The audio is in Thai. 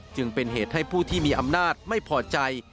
จึงเป็นเหตุให้ผู้ที่มีอำนาจไม่พอใจ